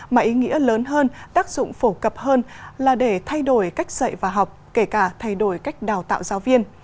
mà ý nghĩa lớn hơn tác dụng phổ cập hơn là để thay đổi cách dạy và học kể cả thay đổi cách đào tạo giáo viên